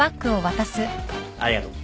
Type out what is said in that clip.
ありがとう。